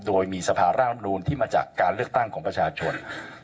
โดยมีสภาร่างรับนูนที่มาจากการเลือกตั้งของประชาชน